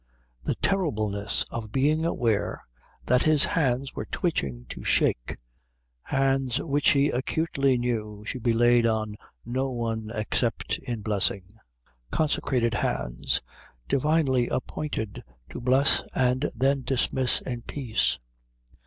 The terribleness of being aware that his hands were twitching to shake hands which he acutely knew should be laid on no one except in blessing, consecrated hands, divinely appointed to bless and then dismiss in peace.